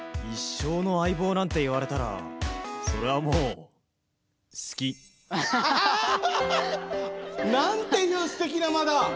「一生の相棒」なんて言われたらそれはもうなんていうすてきな間だ。